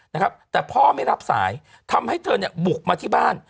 นะครับแต่พ่อไม่รับสายทำให้เธอเนี่ยบุกมาที่บ้าน